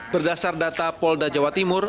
berdasar data polda jawa timur